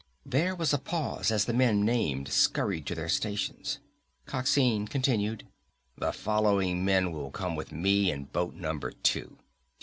There was a pause as the men named scurried to their stations. Coxine continued, "The following men will come with me in boat number two.